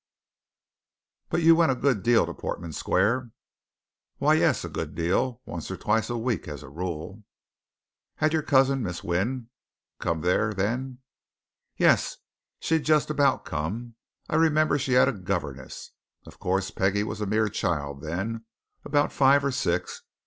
"But you went a good deal to Portman Square?" "Why, yes, a good deal once or twice a week, as a rule." "Had your cousin Miss Wynne come there then?" "Yes, she'd just about come. I remember she had a governess. Of course, Peggie was a mere child then about five or six.